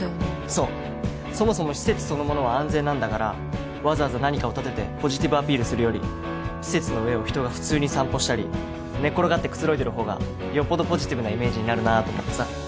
そうそもそも施設そのものは安全なんだからわざわざ何かを建ててポジティブアピールするより施設の上を人が普通に散歩したり寝っ転がってくつろいでる方がよっぽどポジティブなイメージになるなと思ってさ